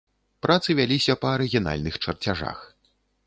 Працы вяліся па арыгінальных чарцяжах.